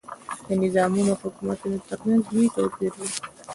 د نظامونو او حکومتونو ترمنځ لوی توپیر وي.